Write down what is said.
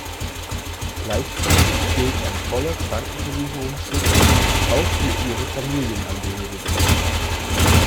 Gleichzeitig gilt ein voller Krankenversicherungsschutz auch für ihre Familienangehörigen.